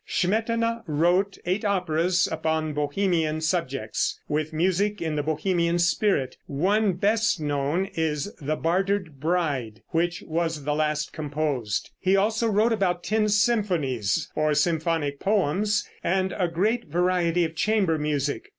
Smetana wrote eight operas upon Bohemian subjects, with music in the Bohemian spirit; one best known is "The Bartered Bride," which was the last composed. He also wrote about ten symphonies or symphonic poems, and a great variety of chamber music.